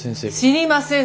知りません